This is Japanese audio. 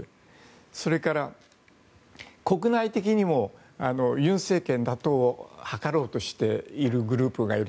それから、国内的にも尹政権打倒を図ろうとしているグループがいる。